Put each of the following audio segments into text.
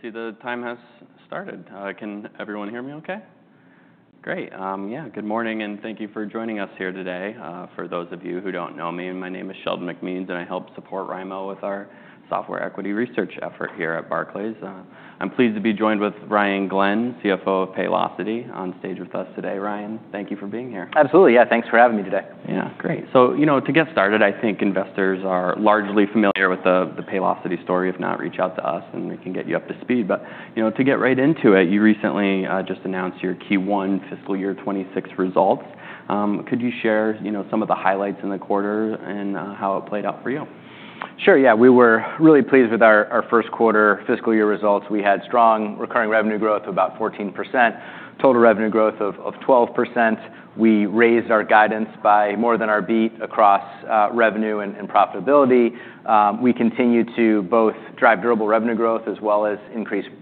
All right. I see the time has started. Can everyone hear me okay? Great. Yeah, good morning and thank you for joining us here today. For those of you who don't know me, my name is Sheldon McMeans and I help support Raimo with our software equity research effort here at Barclays. I'm pleased to be joined with Ryan Glenn, CFO of Paylocity, on stage with us today. Ryan, thank you for being here. Absolutely. Yeah, thanks for having me today. Yeah, great. So, you know, to get started, I think investors are largely familiar with the Paylocity story. If not, reach out to us and we can get you up to speed. But, you know, to get right into it, you recently just announced your Q1 fiscal year 26 results. Could you share, you know, some of the highlights in the quarter and how it played out for you? Sure. Yeah, we were really pleased with our first quarter fiscal year results. We had strong recurring revenue growth of about 14%, total revenue growth of 12%. We raised our guidance by more than our beat across revenue and profitability. We continue to both drive durable revenue growth as well as increase profitability.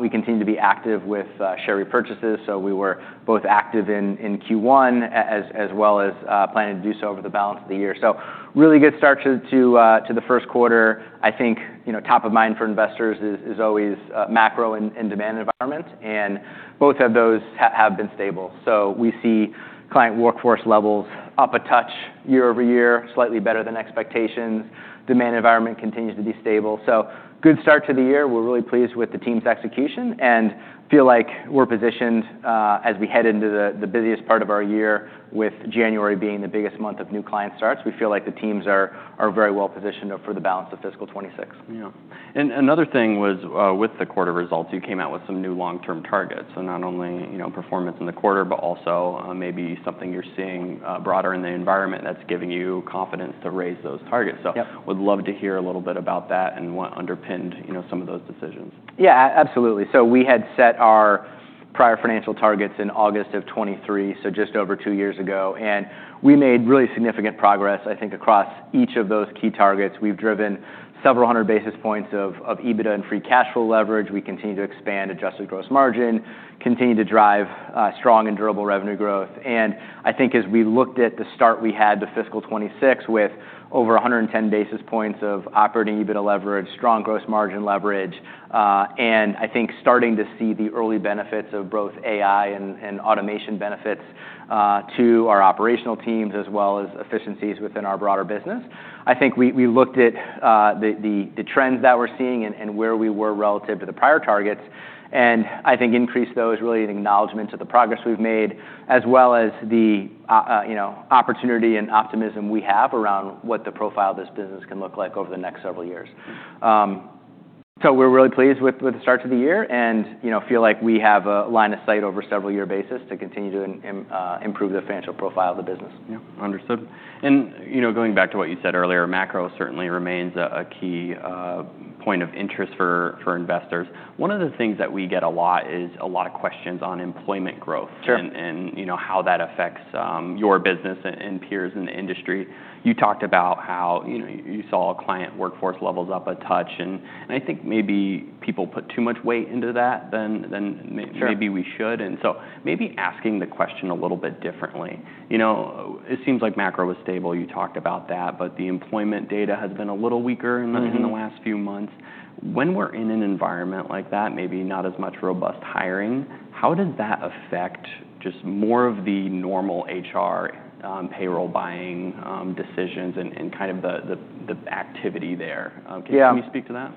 We continue to be active with share repurchases, so we were both active in Q1 as well as planning to do so over the balance of the year, so really good start to the first quarter. I think, you know, top of mind for investors is always macro and demand environment, and both of those have been stable, so we see client workforce levels up a touch year-over-year, slightly better than expectations. Demand environment continues to be stable, so good start to the year. We're really pleased with the team's execution and feel like we're positioned, as we head into the busiest part of our year with January being the biggest month of new client starts. We feel like the teams are very well positioned for the balance of fiscal 2026. Yeah. And another thing was, with the quarter results, you came out with some new long-term targets. So not only, you know, performance in the quarter, but also, maybe something you're seeing, broader in the environment that's giving you confidence to raise those targets. So. Yeah. Would love to hear a little bit about that and what underpinned, you know, some of those decisions. Yeah, absolutely. So we had set our prior financial targets in August of 2023, so just over two years ago. And we made really significant progress, I think, across each of those key targets. We've driven several hundred basis points of EBITDA and free cash flow leverage. We continue to expand adjusted gross margin, continue to drive strong and durable revenue growth. And I think as we looked at the start we had to fiscal 2026 with over 110 basis points of operating EBITDA leverage, strong gross margin leverage, and I think starting to see the early benefits of both AI and automation benefits to our operational teams as well as efficiencies within our broader business. I think we looked at the trends that we're seeing and where we were relative to the prior targets. and I think increased those really in acknowledgment to the progress we've made as well as the, you know, opportunity and optimism we have around what the profile of this business can look like over the next several years, so we're really pleased with the start to the year and, you know, feel like we have a line of sight over several year basis to continue to improve the financial profile of the business. Yeah. Understood. And, you know, going back to what you said earlier, macro certainly remains a key point of interest for investors. One of the things that we get a lot is a lot of questions on employment growth. Sure. You know how that affects your business and peers in the industry. You talked about how you know you saw client workforce levels up a touch. I think maybe people put too much weight into that than may. Sure. Maybe we should. And so maybe asking the question a little bit differently. You know, it seems like macro was stable. You talked about that, but the employment data has been a little weaker in the. Mm-hmm. In the last few months. When we're in an environment like that, maybe not as much robust hiring, how does that affect just more of the normal HR, payroll buying decisions and kind of the activity there? Yeah. Can you speak to that?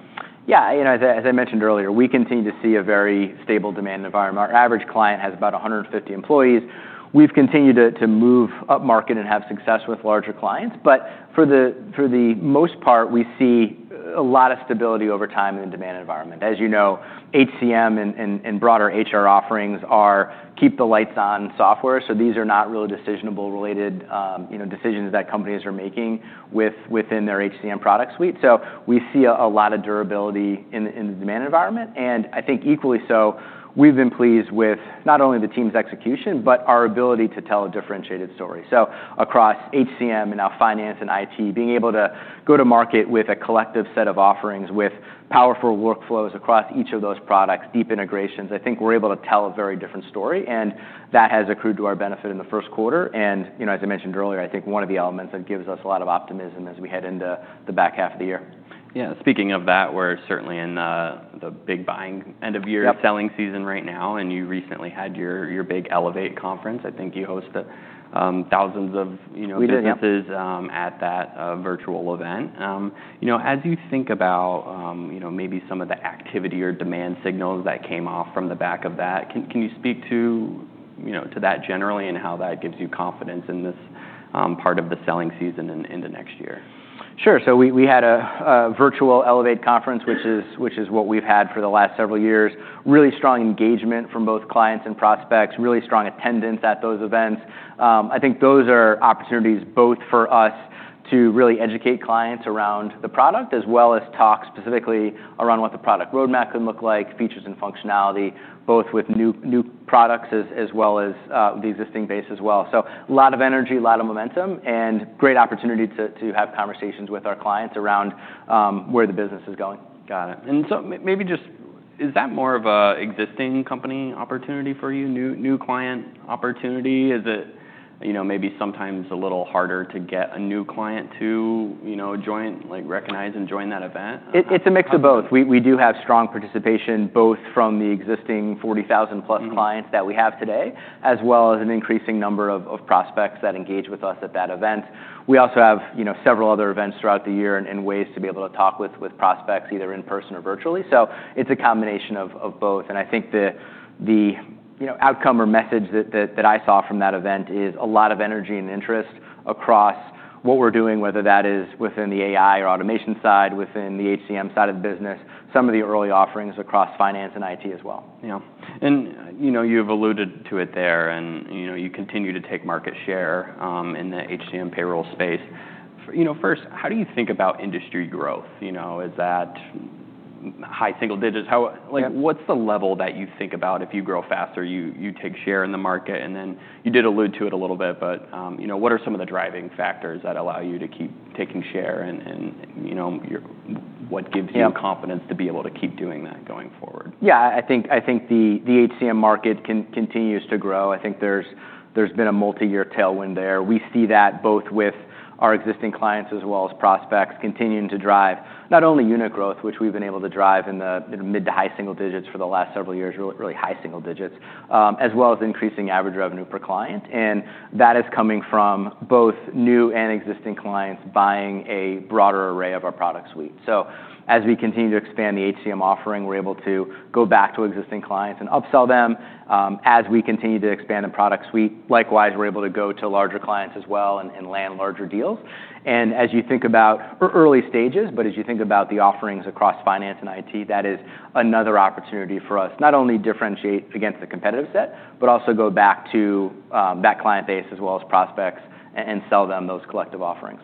Yeah. You know, as I mentioned earlier, we continue to see a very stable demand environment. Our average client has about 150 employees. We've continued to move up market and have success with larger clients, but for the most part, we see a lot of stability over time in the demand environment. As you know, HCM and broader HR offerings are keep-the-lights-on software, so these are not really discretionary related, you know, decisions that companies are making within their HCM product suite, so we see a lot of durability in the demand environment, and I think equally so, we've been pleased with not only the team's execution, but our ability to tell a differentiated story. So across HCM and now finance and IT, being able to go to market with a collective set of offerings with powerful workflows across each of those products, deep integrations, I think we're able to tell a very different story. And that has accrued to our benefit in the first quarter. And, you know, as I mentioned earlier, I think one of the elements that gives us a lot of optimism as we head into the back half of the year. Yeah. Speaking of that, we're certainly in the big buying end of year. Yep. Selling season right now. And you recently had your big Elevate conference. I think you hosted thousands of, you know, businesses. We did, yeah. At that virtual event. You know, as you think about, you know, maybe some of the activity or demand signals that came off the back of that, can you speak to, you know, to that generally and how that gives you confidence in this part of the selling season in the next year? Sure, so we had a virtual Elevate conference, which is what we've had for the last several years. Really strong engagement from both clients and prospects, really strong attendance at those events. I think those are opportunities both for us to really educate clients around the product as well as talk specifically around what the product roadmap could look like, features and functionality, both with new products as well as the existing base as well, so a lot of energy, a lot of momentum, and great opportunity to have conversations with our clients around where the business is going. Got it. And so maybe just, is that more of an existing company opportunity for you, new client opportunity? Is it, you know, maybe sometimes a little harder to get a new client to, you know, join, like, recognize and join that event? It's a mix of both. We do have strong participation both from the existing 40,000-plus clients that we have today as well as an increasing number of prospects that engage with us at that event. We also have, you know, several other events throughout the year and ways to be able to talk with prospects either in person or virtually. So it's a combination of both. And I think the, you know, outcome or message that I saw from that event is a lot of energy and interest across what we're doing, whether that is within the AI or automation side, within the HCM side of the business, some of the early offerings across finance and IT as well. Yeah. And, you know, you've alluded to it there and, you know, you continue to take market share in the HCM payroll space. You know, first, how do you think about industry growth? You know, is that high single digits? How, like. Yeah. What's the level that you think about if you grow faster, you take share in the market? And then you did allude to it a little bit, but you know, what are some of the driving factors that allow you to keep taking share and you know, what gives you confidence to be able to keep doing that going forward? Yeah. I think the HCM market continues to grow. I think there's been a multi-year tailwind there. We see that both with our existing clients as well as prospects continuing to drive not only unit growth, which we've been able to drive in the mid-to-high single digits for the last several years, really high single digits, as well as increasing average revenue per client, and that is coming from both new and existing clients buying a broader array of our product suite, so as we continue to expand the HCM offering, we're able to go back to existing clients and upsell them, as we continue to expand the product suite. Likewise, we're able to go to larger clients as well and land larger deals. As you think about the offerings across finance and IT, that is another opportunity for us not only differentiate against the competitive set, but also go back to that client base as well as prospects and sell them those collective offerings.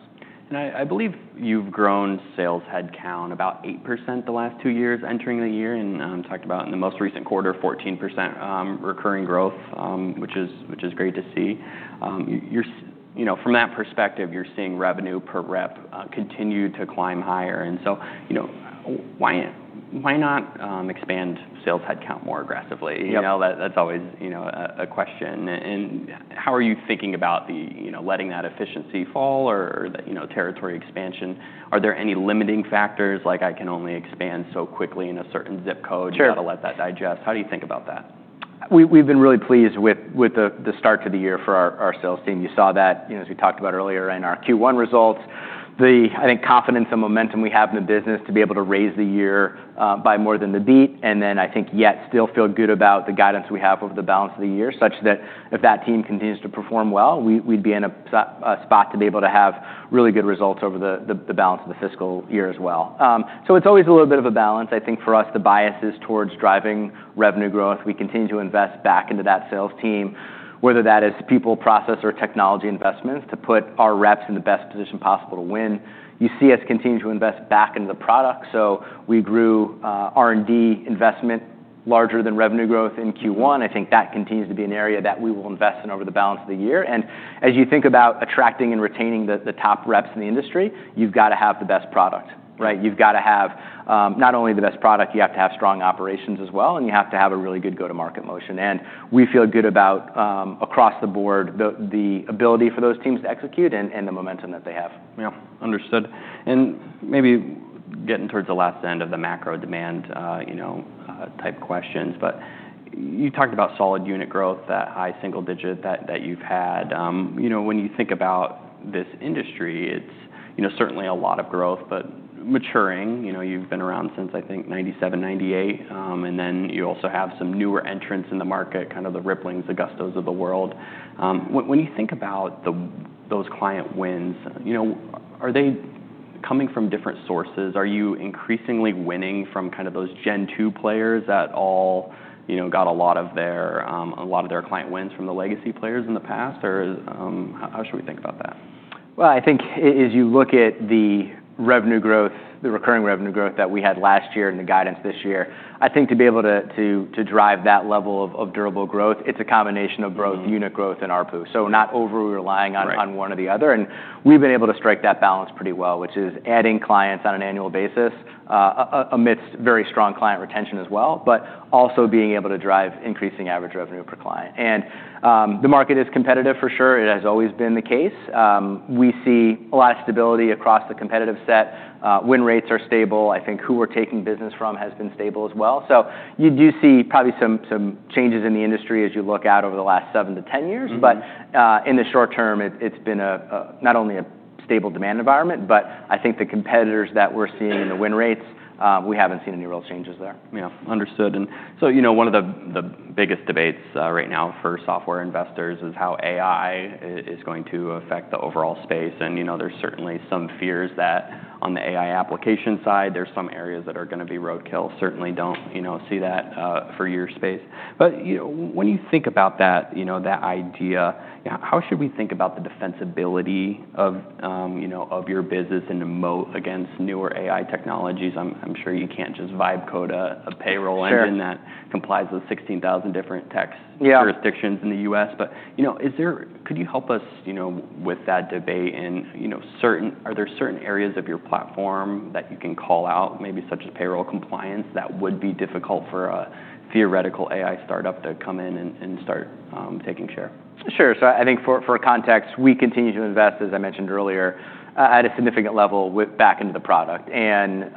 And I believe you've grown sales headcount about 8% the last two years entering the year and talked about in the most recent quarter, 14% recurring growth, which is great to see. You're, you know, from that perspective, you're seeing revenue per rep continue to climb higher. And so, you know, why not expand sales headcount more aggressively? Yeah. You know, that's always, you know, a question, and how are you thinking about the, you know, letting that efficiency fall or that, you know, territory expansion? Are there any limiting factors like, "I can only expand so quickly in a certain zip code"? Sure. And how to let that digest? How do you think about that? We've been really pleased with the start to the year for our sales team. You saw that, you know, as we talked about earlier in our Q1 results, the, I think, confidence and momentum we have in the business to be able to raise the year by more than the beat. And then I think yet still feel good about the guidance we have over the balance of the year such that if that team continues to perform well, we'd be in a spot to be able to have really good results over the balance of the fiscal year as well, so it's always a little bit of a balance. I think for us, the bias is towards driving revenue growth. We continue to invest back into that sales team, whether that is people, process, or technology investments to put our reps in the best position possible to win. You see us continue to invest back into the product. So we grew R&D investment larger than revenue growth in Q1. I think that continues to be an area that we will invest in over the balance of the year. And as you think about attracting and retaining the top reps in the industry, you've got to have the best product, right? You've got to have not only the best product, you have to have strong operations as well. And you have to have a really good go-to-market motion. And we feel good about, across the board, the ability for those teams to execute and the momentum that they have. Yeah. Understood, and maybe getting towards the last end of the macro demand, you know, type questions. But you talked about solid unit growth, that high single digit that you've had. You know, when you think about this industry, it's, you know, certainly a lot of growth, but maturing. You know, you've been around since, I think, 1997, 1998, and then you also have some newer entrants in the market, kind of the Ripplings, the Gustos of the world. When you think about those client wins, you know, are they coming from different sources? Are you increasingly winning from kind of those Gen 2 players that all, you know, got a lot of their client wins from the legacy players in the past? Or, how should we think about that? I think as you look at the revenue growth, the recurring revenue growth that we had last year and the guidance this year, I think to be able to drive that level of durable growth, it's a combination of both unit growth and ARPU, so not overly relying on. Right. On one or the other. We've been able to strike that balance pretty well, which is adding clients on an annual basis, amidst very strong client retention as well, but also being able to drive increasing average revenue per client. The market is competitive for sure. It has always been the case. We see a lot of stability across the competitive set. Win rates are stable. I think who we're taking business from has been stable as well. So you do see probably some changes in the industry as you look out over the last 7 to 10 years. Mm-hmm. But in the short term, it's been not only a stable demand environment, but I think the competitors that we're seeing in the win rates, we haven't seen any real changes there. Yeah. Understood. And so, you know, one of the biggest debates right now for software investors is how AI is going to affect the overall space. And, you know, there's certainly some fears that on the AI application side, there's some areas that are going to be roadkill. Certainly don't, you know, see that for your space. But, you know, when you think about that, you know, that idea, how should we think about the defensibility of, you know, of your business in the moat against newer AI technologies? I'm sure you can't just write code a payroll engine that. Sure. Complies with 16,000 different tax. Yeah. Jurisdictions in the U.S. But, you know, could you help us, you know, with that debate and, you know, are there certain areas of your platform that you can call out, maybe such as payroll compliance that would be difficult for a theoretical AI startup to come in and start taking share? Sure. So I think for context, we continue to invest, as I mentioned earlier, at a significant level with back into the product. And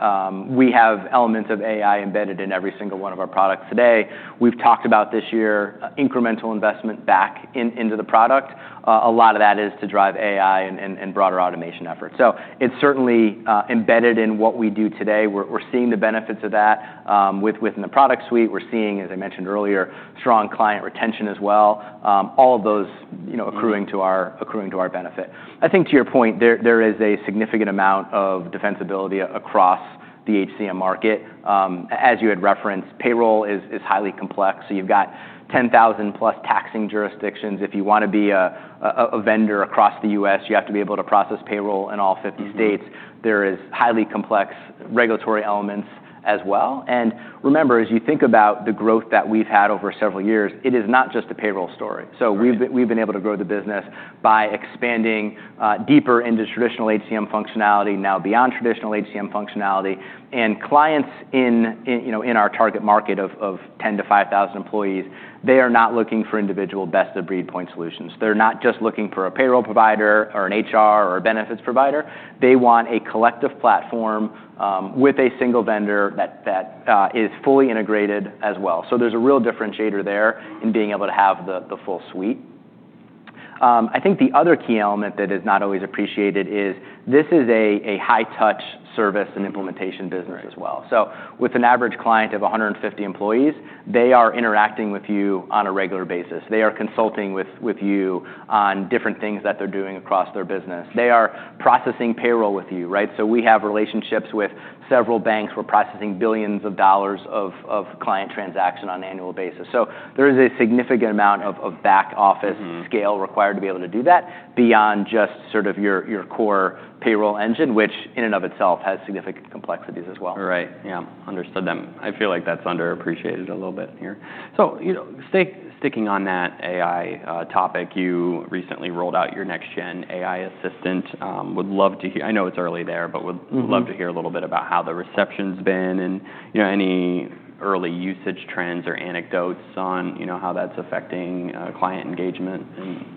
we have elements of AI embedded in every single one of our products today. We've talked about this year, incremental investment back into the product. A lot of that is to drive AI and broader automation efforts. So it's certainly embedded in what we do today. We're seeing the benefits of that within the product suite. We're seeing, as I mentioned earlier, strong client retention as well. All of those, you know, accruing to our benefit. I think to your point, there is a significant amount of defensibility across the HCM market. As you had referenced, payroll is highly complex. So you've got 10,000-plus taxing jurisdictions. If you want to be a vendor across the U.S., you have to be able to process payroll in all 50 states. There is highly complex regulatory elements as well. And remember, as you think about the growth that we've had over several years, it is not just a payroll story. So we've been. Mm-hmm. We've been able to grow the business by expanding, deeper into traditional HCM functionality, now beyond traditional HCM functionality, and clients in, you know, in our target market of 10-5,000 employees, they are not looking for individual best-of-breed point solutions. They're not just looking for a payroll provider or an HR or a benefits provider. They want a collective platform, with a single vendor that is fully integrated as well, so there's a real differentiator there in being able to have the full suite. I think the other key element that is not always appreciated is this is a high-touch service and implementation business as well. Mm-hmm. So with an average client of 150 employees, they are interacting with you on a regular basis. They are consulting with you on different things that they're doing across their business. They are processing payroll with you, right? So we have relationships with several banks. We're processing billions of dollars of client transaction on an annual basis. So there is a significant amount of back-office. Mm-hmm. Scale required to be able to do that beyond just sort of your core payroll engine, which in and of itself has significant complexities as well. Right. Yeah. Understood them. I feel like that's underappreciated a little bit here. So, you know, sticking on that AI topic, you recently rolled out your next-gen AI Assistant. Would love to hear. I know it's early there, but would. Mm-hmm. Love to hear a little bit about how the reception's been and, you know, any early usage trends or anecdotes on, you know, how that's affecting client engagement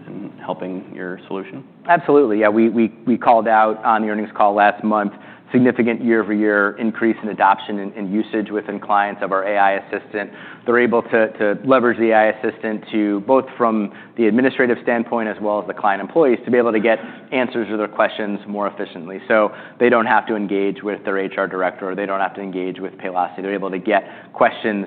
and helping your solution? Absolutely. Yeah. We called out on the earnings call last month significant year-over-year increase in adoption and usage within clients of our AI Assistant. They're able to leverage the AI Assistant to both from the administrative standpoint as well as the client employees to be able to get answers to their questions more efficiently. So they don't have to engage with their HR director. They don't have to engage with Paylocity. They're able to get questions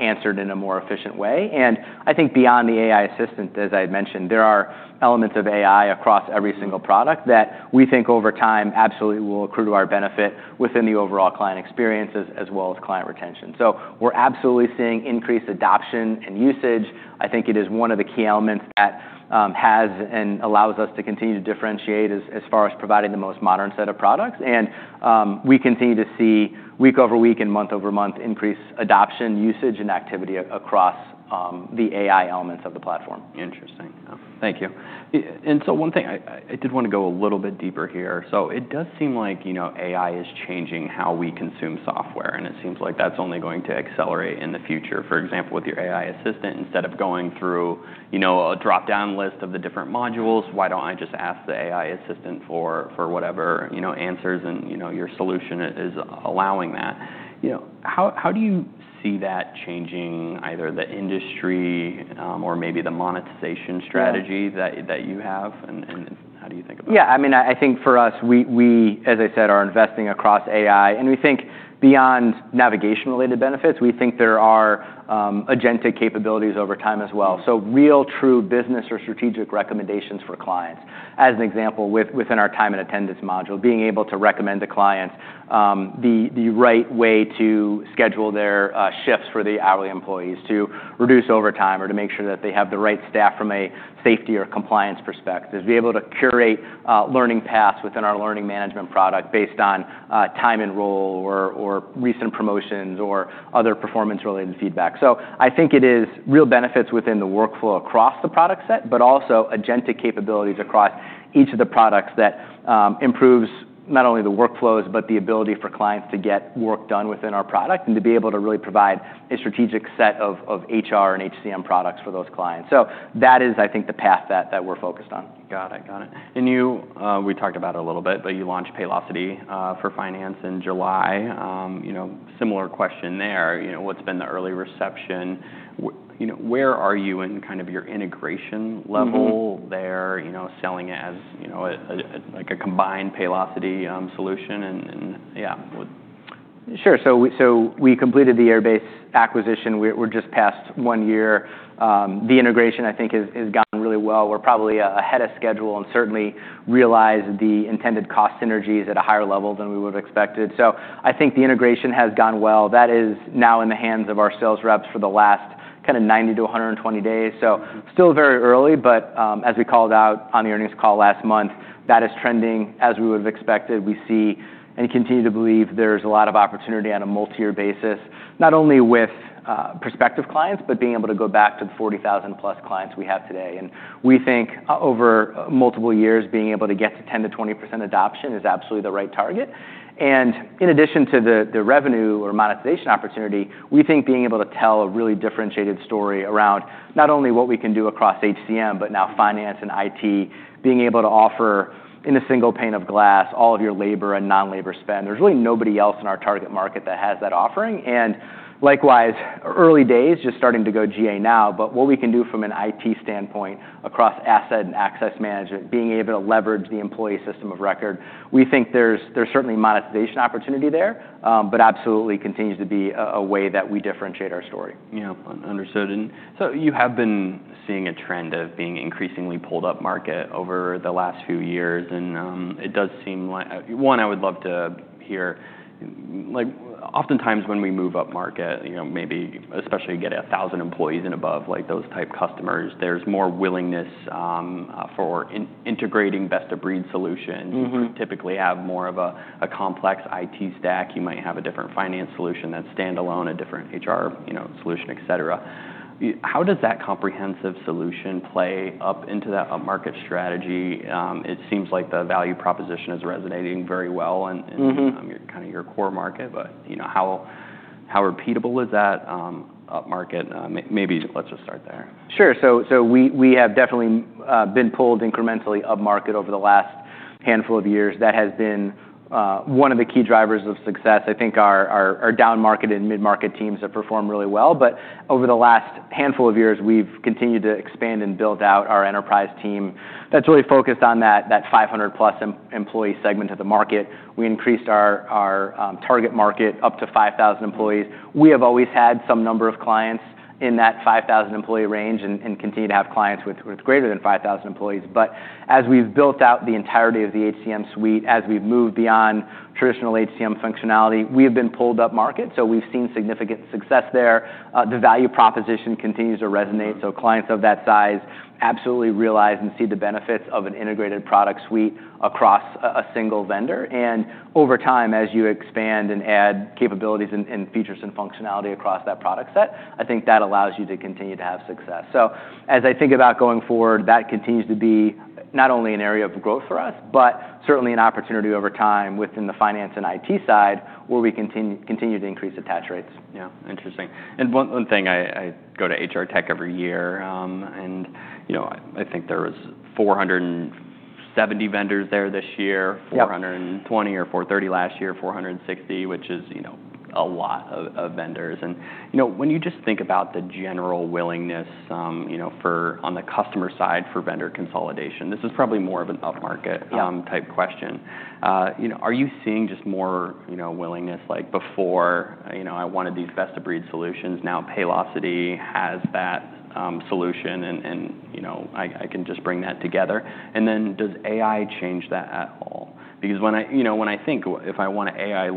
answered in a more efficient way. And I think beyond the AI Assistant, as I had mentioned, there are elements of AI across every single product that we think over time absolutely will accrue to our benefit within the overall client experience as well as client retention. So we're absolutely seeing increased adoption and usage. I think it is one of the key elements that has and allows us to continue to differentiate as far as providing the most modern set of products, and we continue to see week over week and month over month increased adoption, usage, and activity across the AI elements of the platform. Interesting. Yeah. Thank you, and so one thing I did want to go a little bit deeper here. So it does seem like, you know, AI is changing how we consume software, and it seems like that's only going to accelerate in the future. For example, with your AI Assistant, instead of going through, you know, a dropdown list of the different modules, why don't I just ask the AI Assistant for whatever, you know, answers? And, you know, your solution is allowing that. You know, how do you see that changing either the industry, or maybe the monetization strategy that you have? And how do you think about that? Yeah. I mean, I think for us, as I said, we are investing across AI, and we think beyond navigation-related benefits, we think there are agentic capabilities over time as well. So real true business or strategic recommendations for clients. As an example, within our Time and Attendance module, being able to recommend to clients the right way to schedule their shifts for the hourly employees to reduce overtime or to make sure that they have the right staff from a safety or compliance perspective, to be able to curate learning paths within our Learning Management product based on tenure or recent promotions or other performance-related feedback. So I think it is real benefits within the workflow across the product set, but also agentic capabilities across each of the products that improves not only the workflows, but the ability for clients to get work done within our product and to be able to really provide a strategic set of HR and HCM products for those clients. So that is, I think, the path that we're focused on. Got it. Got it. And you, we talked about it a little bit, but you launched Paylocity for Finance in July. You know, similar question there. You know, what's been the early reception? You know, where are you in kind of your integration level there? You know, selling it as, you know, a like a combined Paylocity solution and yeah. Sure. So we completed the Airbase acquisition. We're just past one year. The integration, I think, has gotten really well. We're probably ahead of schedule and certainly realize the intended cost synergies at a higher level than we would have expected. So I think the integration has gone well. That is now in the hands of our sales reps for the last kind of 90-120 days. So still very early, but as we called out on the earnings call last month, that is trending as we would have expected. We see and continue to believe there's a lot of opportunity on a multi-year basis, not only with prospective clients, but being able to go back to the 40,000-plus clients we have today. And we think over multiple years, being able to get to 10%-20% adoption is absolutely the right target. And in addition to the revenue or monetization opportunity, we think being able to tell a really differentiated story around not only what we can do across HCM, but now finance and IT, being able to offer in a single pane of glass all of your labor and non-labor spend. There's really nobody else in our target market that has that offering. And likewise, early days, just starting to go GA now, but what we can do from an IT standpoint across asset and access management, being able to leverage the employee system of record, we think there's certainly monetization opportunity there, but absolutely continues to be a way that we differentiate our story. Yeah. Understood. And so you have been seeing a trend of being increasingly pulled up market over the last few years. And it does seem like one. I would love to hear, like, oftentimes when we move up market, you know, maybe especially getting 1,000 employees and above, like those type customers. There's more willingness for integrating best-of-breed solutions. Mm-hmm. You typically have more of a complex IT stack. You might have a different finance solution that's standalone, a different HR, you know, solution, etc. How does that comprehensive solution play up into that upmarket strategy? It seems like the value proposition is resonating very well in, in. Mm-hmm. You're kind of your core market. But, you know, how repeatable is that upmarket? Maybe let's just start there. Sure. We have definitely been pulled incrementally upmarket over the last handful of years. That has been one of the key drivers of success. I think our downmarket and mid-market teams have performed really well, but over the last handful of years, we've continued to expand and build out our enterprise team. That's really focused on that 500-plus employee segment of the market. We increased our target market up to 5,000 employees. We have always had some number of clients in that 5,000-employee range and continue to have clients with greater than 5,000 employees, but as we've built out the entirety of the HCM suite, as we've moved beyond traditional HCM functionality, we have been pulled upmarket, so we've seen significant success there. The value proposition continues to resonate. So clients of that size absolutely realize and see the benefits of an integrated product suite across a single vendor. And over time, as you expand and add capabilities and features and functionality across that product set, I think that allows you to continue to have success. So as I think about going forward, that continues to be not only an area of growth for us, but certainly an opportunity over time within the finance and IT side where we continue to increase attach rates. Yeah. Interesting, and one thing I go to HR Tech every year, and you know, I think there was 470 vendors there this year. Mm-hmm. 420 or 430 last year, 460, which is, you know, a lot of vendors, and you know, when you just think about the general willingness, you know, for on the customer side for vendor consolidation, this is probably more of an upmarket. Yeah. Type question, you know, are you seeing just more, you know, willingness like before, you know, I wanted these best-of-breed solutions, now Paylocity has that solution and, you know, I can just bring that together, and then does AI change that at all? Because when I, you know, when I think if I want an AI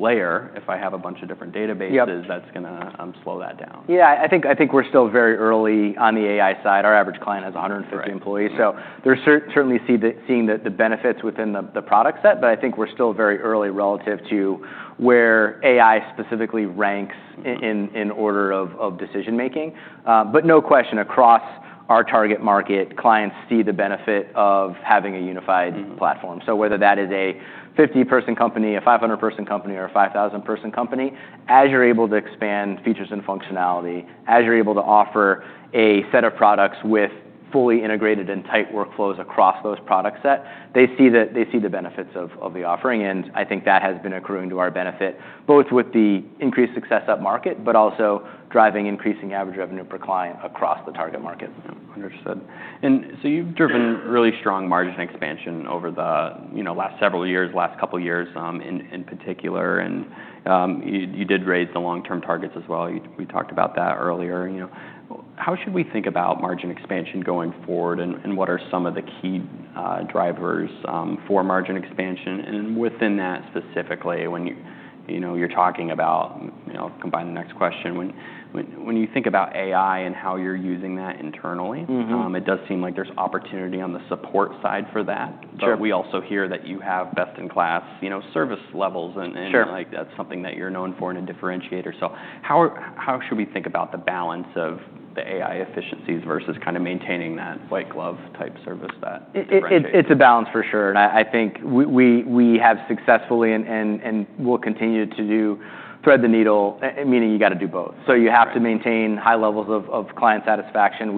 layer, if I have a bunch of different databases. Yep. That's gonna slow that down. Yeah. I think, I think we're still very early on the AI side. Our average client has 150 employees. Sure. So they're certainly seeing the benefits within the product set. But I think we're still very early relative to where AI specifically ranks in order of decision-making. But no question across our target market, clients see the benefit of having a unified platform. Mm-hmm. So whether that is a 50-person company, a 500-person company, or a 5,000-person company, as you're able to expand features and functionality, as you're able to offer a set of products with fully integrated and tight workflows across those product set, they see the, they see the benefits of, of the offering. And I think that has been accruing to our benefit both with the increased success upmarket, but also driving increasing average revenue per client across the target market. Understood. And so you've driven really strong margin expansion over the, you know, last several years, last couple of years, in particular. And you did raise the long-term targets as well. You, we talked about that earlier. You know, how should we think about margin expansion going forward and what are some of the key drivers for margin expansion? And within that specifically, when you know you're talking about, you know, combined next question, when you think about AI and how you're using that internally? Mm-hmm. It does seem like there's opportunity on the support side for that. Sure. But we also hear that you have best-in-class, you know, service levels and. Sure. Like, that's something that you're known for and a differentiator. So how should we think about the balance of the AI efficiencies versus kind of maintaining that white glove type service that. It's a balance for sure. And I think we have successfully and will continue to do thread the needle, meaning you gotta do both. So you have to maintain high levels of client satisfaction.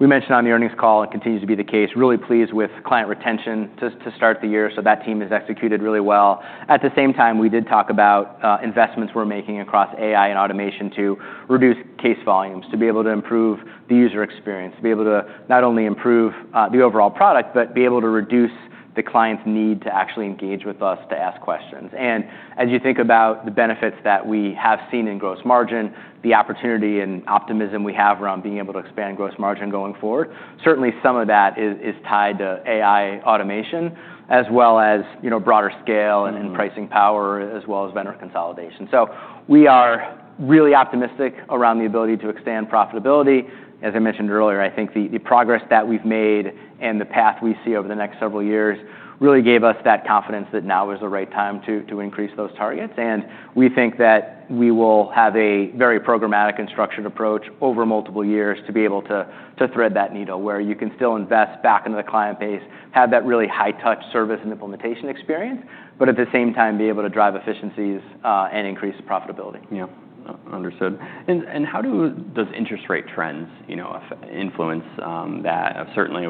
We mentioned on the earnings call and continues to be the case, really pleased with client retention to start the year. So that team has executed really well. At the same time, we did talk about investments we're making across AI and automation to reduce case volumes, to be able to improve the user experience, to be able to not only improve the overall product, but be able to reduce the client's need to actually engage with us to ask questions. And as you think about the benefits that we have seen in gross margin, the opportunity and optimism we have around being able to expand gross margin going forward, certainly some of that is tied to AI automation as well as, you know, broader scale and pricing power as well as vendor consolidation. So we are really optimistic around the ability to expand profitability. As I mentioned earlier, I think the progress that we've made and the path we see over the next several years really gave us that confidence that now is the right time to increase those targets. We think that we will have a very programmatic and structured approach over multiple years to be able to thread that needle where you can still invest back into the client base, have that really high-touch service and implementation experience, but at the same time be able to drive efficiencies, and increase profitability. Yeah. Understood. And how does interest rate trends, you know, have influence that? Certainly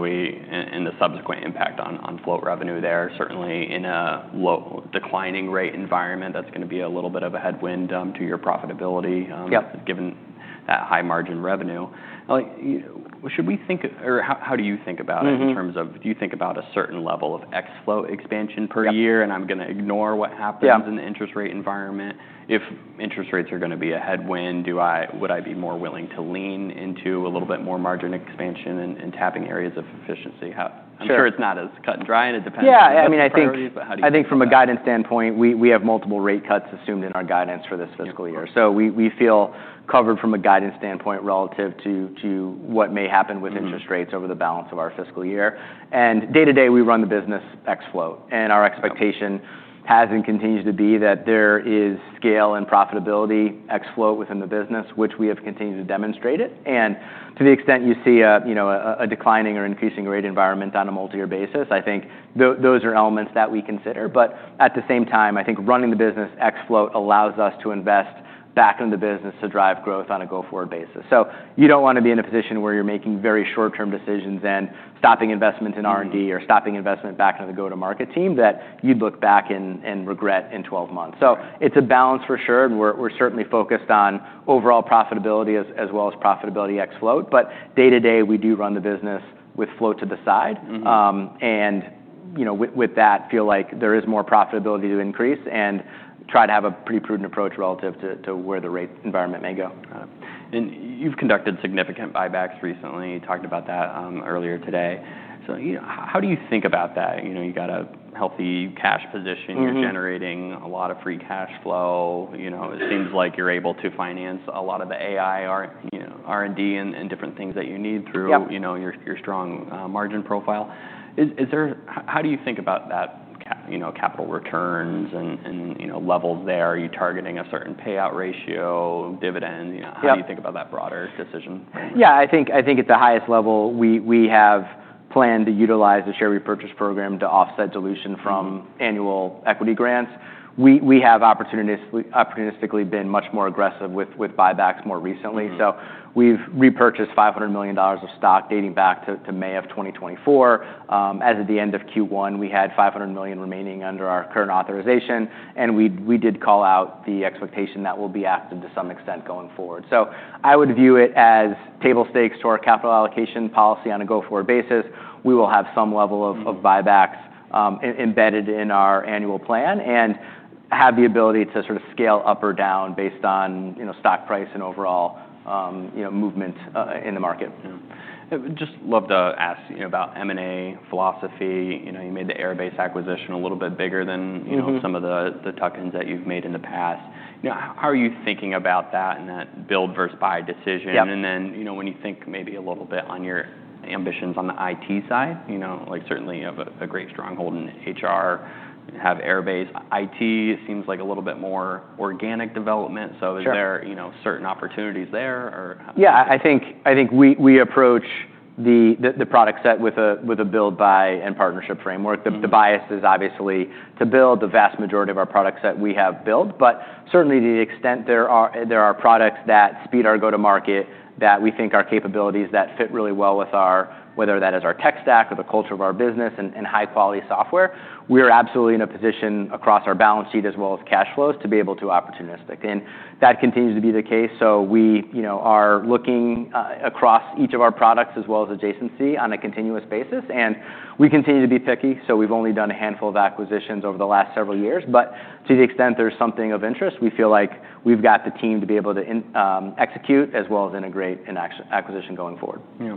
and the subsequent impact on float revenue there, certainly in a low declining rate environment, that's gonna be a little bit of a headwind to your profitability. Yep. Given that high margin revenue. Like, should we think or how do you think about it in terms of, do you think about a certain level of ex-float expansion per year, and I'm gonna ignore what happens. Yep. In the interest rate environment. If interest rates are gonna be a headwind, would I be more willing to lean into a little bit more margin expansion and tapping areas of efficiency? How. Sure. I'm sure it's not as cut and dried, and it depends on the priorities. Yeah. I mean, I think from a guidance standpoint, we have multiple rate cuts assumed in our guidance for this fiscal year. So we feel covered from a guidance standpoint relative to what may happen with interest rates over the balance of our fiscal year. And day to day, we run the business ex-float. And our expectation has and continues to be that there is scale and profitability ex-float within the business, which we have continued to demonstrate it. And to the extent you see a, you know, a declining or increasing rate environment on a multi-year basis, I think those are elements that we consider. But at the same time, I think running the business ex-float allows us to invest back into the business to drive growth on a go-forward basis. So you don't wanna be in a position where you're making very short-term decisions and stopping investment in R&D or stopping investment back into the go-to-market team that you'd look back and regret in 12 months. So it's a balance for sure. And we're certainly focused on overall profitability as well as profitability ex-float. But day to day, we do run the business with float to the side. Mm-hmm. You know, with that, feel like there is more profitability to increase and try to have a pretty prudent approach relative to where the rate environment may go. Got it, and you've conducted significant buybacks recently, talked about that, earlier today, so you know, how do you think about that? You know, you got a healthy cash position. Mm-hmm. You're generating a lot of free cash flow. You know, it seems like you're able to finance a lot of the AI, you know, R&D and different things that you need through. Yep. You know, your strong margin profile. How do you think about that capital returns and, you know, levels there? Are you targeting a certain payout ratio, dividend? You know, how do you think about that broader decision framework? Yeah. I think at the highest level, we have planned to utilize the share repurchase program to offset dilution from annual equity grants. We have opportunistically been much more aggressive with buybacks more recently. So we've repurchased $500 million of stock dating back to May of 2024. As of the end of Q1, we had $500 million remaining under our current authorization. And we did call out the expectation that we'll be active to some extent going forward. So I would view it as table stakes to our capital allocation policy on a go-forward basis. We will have some level of buybacks embedded in our annual plan and have the ability to sort of scale up or down based on, you know, stock price and overall, you know, movement in the market. Yeah. Just love to ask, you know, about M&A philosophy. You know, you made the Airbase acquisition a little bit bigger than, you know. Mm-hmm. Some of the tuck-ins that you've made in the past. You know, how are you thinking about that and that build versus buy decision? Yep. And then, you know, when you think maybe a little bit on your ambitions on the IT side, you know, like certainly you have a great stronghold in HR, have Airbase. IT seems like a little bit more organic development. So is there. Sure. You know, certain opportunities there or how? Yeah. I think we approach the product set with a build-buy and partnership framework. The bias is obviously to build the vast majority of our product set we have built. But certainly to the extent there are products that speed our go-to-market that we think our capabilities that fit really well with our whether that is our tech stack or the culture of our business and high-quality software, we are absolutely in a position across our balance sheet as well as cash flows to be able to opportunistic. And that continues to be the case. So we, you know, are looking across each of our products as well as adjacency on a continuous basis. And we continue to be picky. So we've only done a handful of acquisitions over the last several years. But to the extent there's something of interest, we feel like we've got the team to be able to execute as well as integrate an acquisition going forward. Yeah.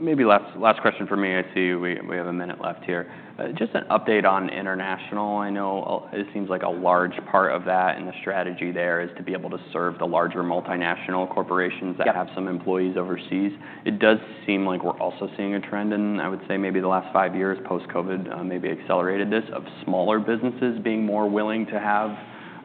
Maybe last question for me. I see we have a minute left here. Just an update on international. I know it seems like a large part of that and the strategy there is to be able to serve the larger multinational corporations. Yep. That have some employees overseas. It does seem like we're also seeing a trend in, I would say maybe the last five years post-COVID, maybe accelerated this of smaller businesses being more willing to have,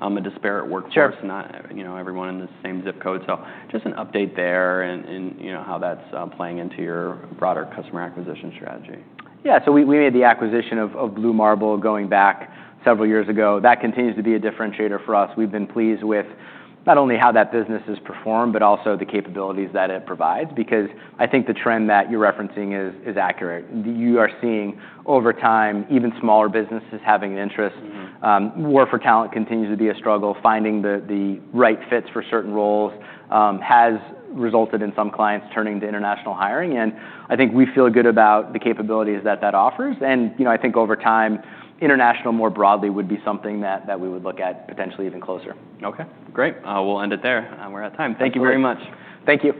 a disparate workforce. Sure. Not you know everyone in the same zip code, so just an update there and you know how that's playing into your broader customer acquisition strategy. Yeah. So we made the acquisition of Blue Marble going back several years ago. That continues to be a differentiator for us. We've been pleased with not only how that business has performed, but also the capabilities that it provides because I think the trend that you're referencing is accurate. You are seeing over time even smaller businesses having an interest. Mm-hmm. War for talent continues to be a struggle. Finding the right fits for certain roles has resulted in some clients turning to international hiring. And I think we feel good about the capabilities that offers. And, you know, I think over time, international more broadly would be something that we would look at potentially even closer. Okay. Great. We'll end it there. We're at time. Thank you very much. Thank you.